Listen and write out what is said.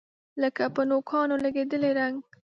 لکه په نوکانو لګیدلی رنګ